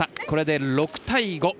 これで６対５。